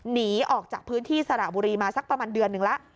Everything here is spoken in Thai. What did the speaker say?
หนีออกจากพื้นที่สระบุรีมาสักประมาณเดือนหนึ่งแล้ว